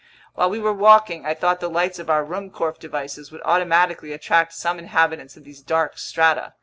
While we were walking, I thought the lights of our Ruhmkorff devices would automatically attract some inhabitants of these dark strata.